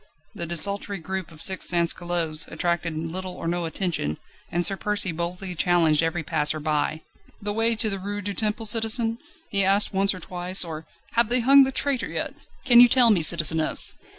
The desultory group of six sansculottes attracted little or no attention, and Sir Percy boldly challenged every passer by. "The way to the Rue du Temple, citizen?" he asked once or twice, or: "Have they hung the traitor yet? Can you tell me, citizeness?"